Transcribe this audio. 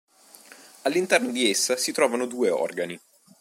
All'interno di essa si trovano due organi.